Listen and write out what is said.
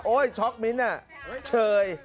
โอ๊ยช็อกมิ้นท์น่ะเฉย